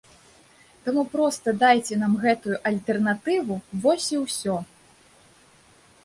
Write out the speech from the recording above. Таму проста дайце нам гэтую альтэрнатыву, вось і ўсё.